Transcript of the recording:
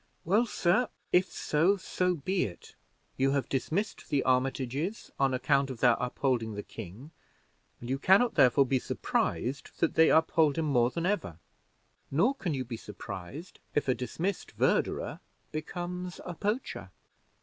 "Well, sir, if so, so be it. You have dismissed the Armitages on account of their upholding the king, and you can not, therefore, be surprised that they uphold him more than ever. Nor can you be surprised if a dismissed verderer becomes a poacher."